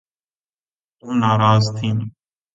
تم ناراض تھیں